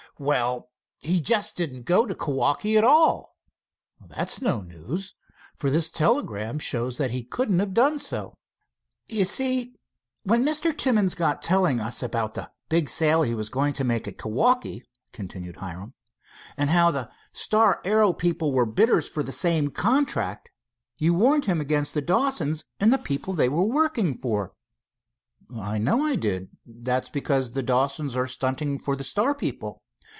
"Well, he just didn't go to Kewaukee at all." "That's no news, for this telegram shows that couldn't have done so." "You see, when Mr. Timmins got telling us about the big sale he was going to make at Kewaukee," continued Hiram, "and how the Star Aero people were bidders for the same contract, you warned him against the Dawsons, and the people they are working for!" "I know I did. That was because the Dawsons are stunting for the Star people."